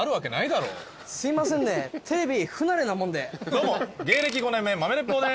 どうも芸歴５年目豆鉄砲です。